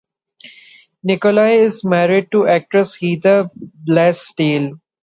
Nicoli is married to actress Heather Bleasdale.